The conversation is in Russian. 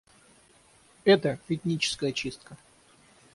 Это — этническая чистка.